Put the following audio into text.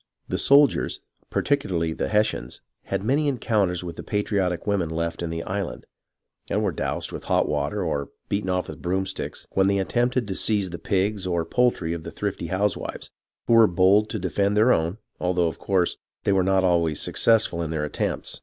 The soldiers, particularly the Hessians, had many encounters with the patriotic women left in the island, and were doused with hot water, or beaten off with broomsticks when they attempted to seize the pigs or poultry of the thrifty housewives, who were bold to defend their own, although, of course, they were not always successful in their attempts.